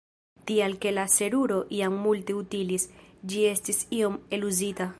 Tial ke la seruro jam multe utilis, ĝi estis iom eluzita.